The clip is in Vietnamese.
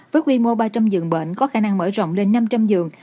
với quy mô ba trăm linh giường bệnh có khả năng mở rộng lên năm trăm linh giường